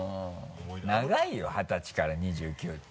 長いよ二十歳から２９って。